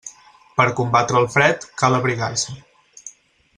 Per combatre el fred, cal abrigar-se.